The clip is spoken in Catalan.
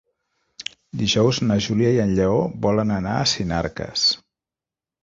Dijous na Júlia i en Lleó volen anar a Sinarques.